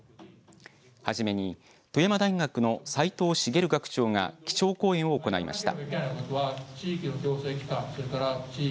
はじめに富山大学の齋藤滋学長が基調講演を行いました。